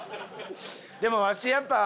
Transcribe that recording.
でもわしやっぱ。